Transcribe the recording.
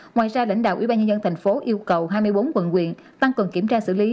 ngoài ra lãnh đạo ubnd tp yêu cầu hai mươi bốn quận quyền tăng cần kiểm tra xử lý